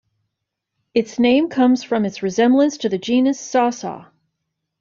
Its name comes from its resemblance to the genus "Sasa".